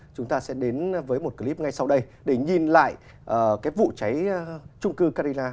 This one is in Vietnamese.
chúng ta sẽ đến với một clip ngay sau đây để nhìn lại cái vụ cháy trung cư carina